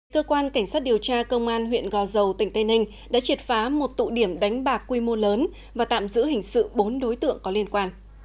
cơ quan cảnh sát điều tra công an huyện gò dầu tỉnh tây ninh đã triệt phá một tụ điểm đánh bạc quy mô lớn và tạm giữ hình sự bốn đối tượng có liên quan